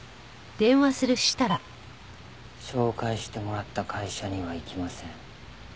紹介してもらった会社には行きません。